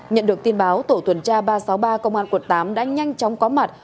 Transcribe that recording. nhận được tin báo tổ tuần tra ba trăm sáu mươi ba công an quận tám đã nhanh chóng có mặt